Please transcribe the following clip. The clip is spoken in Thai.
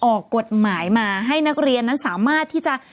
ออกกฎหมายมาให้นักเรียนนั้นสามารถที่จะ